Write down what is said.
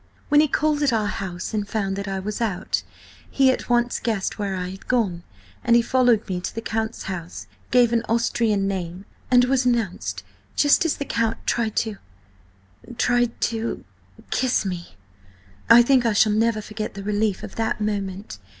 When he called at our house and found that I was out, he at once guessed where I had gone, and he followed me to the Count's house, gave an Austrian name, and was announced just as the Count tried to–tried to–kiss me. I think I shall never forget the relief of that moment!